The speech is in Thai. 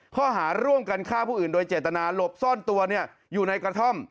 ข้อหาร่วมกันฆ่าผู้อื่นโดยเจตนาหลบซ่อนตัวอยู่ในกระท่อม